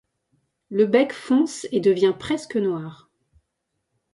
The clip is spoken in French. Le bec fonce et devient presque noir.